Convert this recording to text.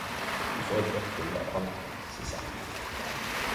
Vi får eit godt bilete av Alcott si samtid.